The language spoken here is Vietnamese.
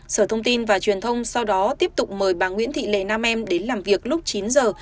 sở thông tin và truyền thông sau đó tiếp tục mời bà nguyễn thị lệ nam em đến làm việc lúc chín giờ